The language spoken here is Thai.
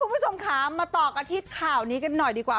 คุณผู้ชมค่ะมาต่อกันที่ข่าวนี้กันหน่อยดีกว่า